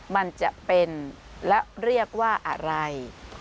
มันจะเป็นและเรียกว่าอะไร